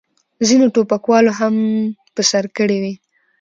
ځینو ټوپکوالو هم په سر کړې وې.